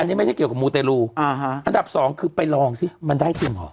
อันนี้ไม่ใช่เกี่ยวกับมูเตรลูอ่าฮะอันดับสองคือไปลองสิมันได้จริงเหรอ